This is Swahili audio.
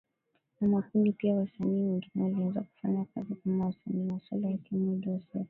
na makundi pia wasanii wengine walianza kufanya kazi kama wasanii wa solo wakiwemo Joseph